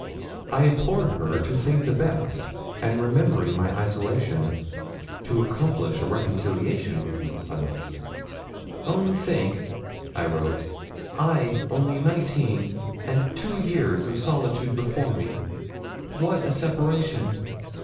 I implored of her to think the best, and remembering my isolation, to accomplish a reconciliation with Uncle Silas. 'Only think,' I wrote, 'I only nineteen, and two years of solitude before me. What a separation!'